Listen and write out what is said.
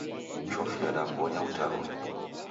Chofi yambonya utarume.